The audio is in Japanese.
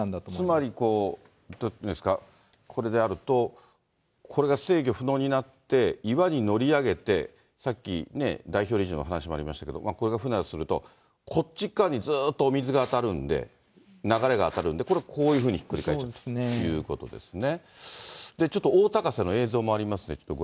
つまり、これであると、これが制御不能になって岩に乗り上げて、さっきね、代表理事の話もありましたけど、これが船だとすると、こっち側にずっとお水が当たるんで、流れが当たるんで、これ、こういうふうにひっくり返っちゃうということですね。